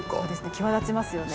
際立ちますよね。